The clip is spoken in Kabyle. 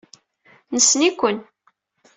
Nessen-iken.